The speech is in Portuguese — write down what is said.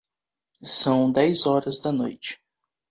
São dez horas da noite.